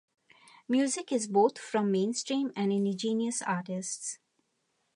Music is both from mainstream and indigenous artists.